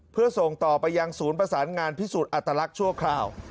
เพื่อส่งต่อไปยังศูนย์ประสานงานพิสูจน์อัตลักษณ์ชั่วคราว